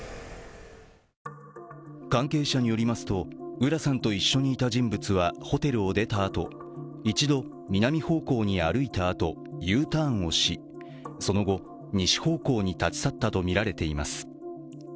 関係者によりますと、浦さんと一緒にいた人物はホテルを出たあと一度、南方向に出たあとＵターンをしその後、西方向に立ち去ったとみられています。